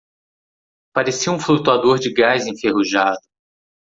Parecia um flutuador de gás enferrujado.